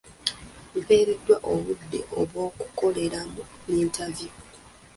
Mpeereddwa obudde bw'okukoleramu yintaviyu.